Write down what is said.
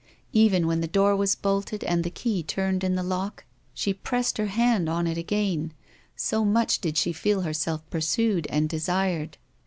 Even when the door was bolted and the key turned in the lock, she pressed her hand on it again, so much did she feel herself pursued and desired.